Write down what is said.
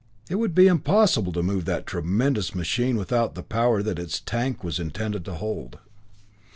It would be impossible to move that tremendous machine without the power that its "tank" was intended to hold.